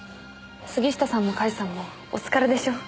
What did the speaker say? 杉下さんも甲斐さんもお疲れでしょう。